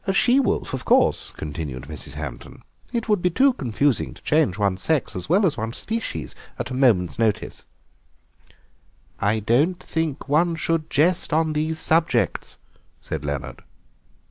"A she wolf, of course," continued Mrs. Hampton; "it would be too confusing to change one's sex as well as one's species at a moment's notice." "I don't think one should jest on these subjects," said Leonard.